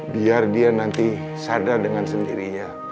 biar dia nanti sadar dengan sendirinya